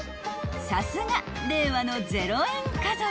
［さすが令和の０円家族］